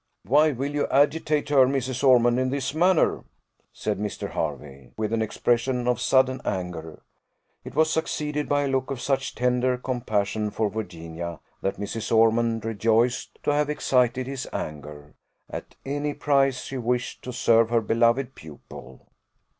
"Why will you agitate her, Mrs. Ormond, in this manner?" said Mr. Hervey, with an expression of sudden anger. It was succeeded by a look of such tender compassion for Virginia, that Mrs. Ormond rejoiced to have excited his anger; at any price she wished to serve her beloved pupil.